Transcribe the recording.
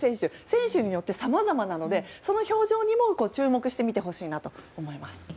選手によって、さまざまなのでその表情にもご注目してみてほしいと思います。